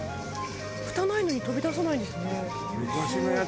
フタないのに飛び出さないんですね。